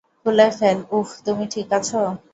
খুলে ফেল - উহ - তুমি ঠিক আছ?